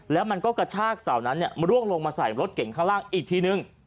แล้วมันก็กระชากเสานั้นร่วงลงมาใส่รถเก่งข้างล่างอีกทีนึง